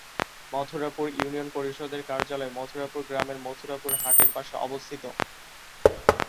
Mathurapur union পরিষদের কার্যালয় মথুরাপুর গ্রামের মথুরাপুর হাটের পাশে অবস্থিত।